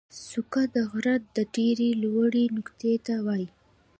څوکه د غره د ډېرې لوړې نقطې ته وایي.